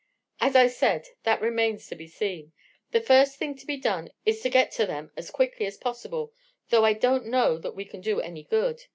"As I said, that remains to be seen. The first thing to be done is to get to them as quickly as possible, though I don't know that we can do any good.